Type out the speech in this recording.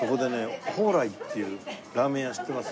宝来っていうラーメン屋知ってます？